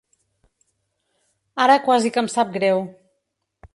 Ara quasi que em sap greu.